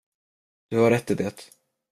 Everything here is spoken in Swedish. Du har rätt i det.